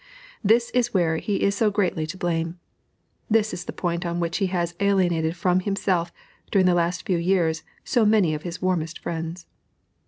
This is where he is so greatly to blame; this is the point on which he has alienated from himself during the last few years so many of his warmest friends.